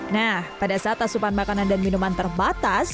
nah pada saat asupan makanan dan minuman terbatas